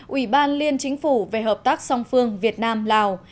ủy ban liên chính phủ về hợp tác song phương việt nam lào